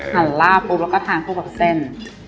ทานราบปุ๊บแล้วก็ทานพรุ่งกับเส้น